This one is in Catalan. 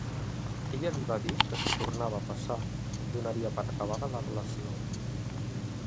Ella li va dir que si tornava a passar, donaria per acabada la relació.